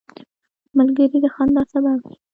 ملګری د خندا سبب وي